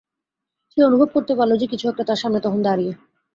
সে অনুভব করতে পারল যে, কিছু একটা তার সামনে তখন দাঁড়িয়ে।